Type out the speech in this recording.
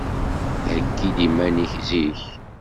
Heyyi-d iman-ik zik.